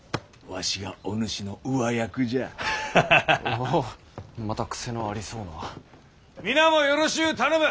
あぁまた癖のありそうな。皆もよろしゅう頼む。